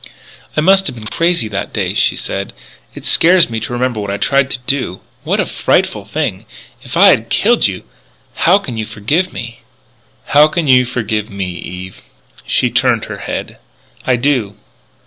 "I must have been crazy that day," she said. "It scares me to remember what I tried to do.... What a frightful thing if I had killed you How can you forgive me?" "How can you forgive me, Eve?" She turned her head: "I do."